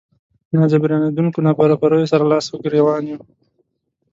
ناجبرانېدونکو نابرابريو سره لاس ګریوان يو.